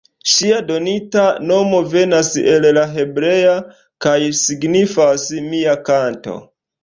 Ŝia donita nomo venas el la hebrea kaj signifas „mia kanto“.